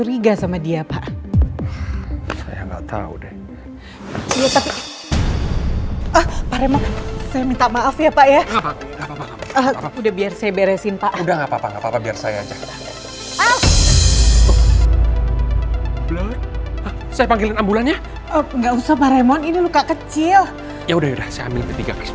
ibu duduk dulu